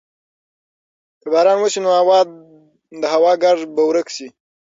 که باران وسي نو د هوا ګرد به ورک سي.